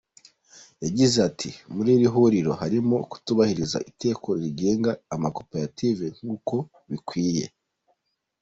Yagize ati “Muri iri huriro harimo kutubahiriza iteko rigenga amakoperative nk’uko bikwiye.